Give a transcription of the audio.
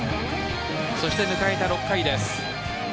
そして迎えた６回です。